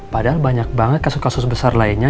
padahal banyak banget kasus kasus besar lainnya